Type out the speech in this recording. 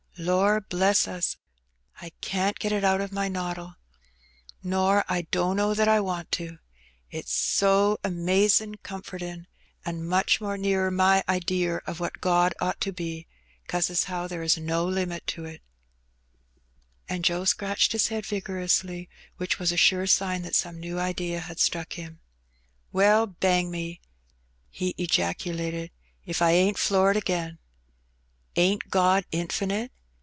Lor* bless us ! I can't get it out o' my noddle ; nor I dunno that I want to, it's so amazin' comfortin', and much more nearer my idear of what God ought to be, 'cause as how there is no limit to it." In which Joe Wrag has a Vision. 83 And Joe scratched his head vigorously^ which was a sure sign that some new idea had struck him. " Well, bang me !" he ejaculated, '* if I ain't floored again. Ain't God infinite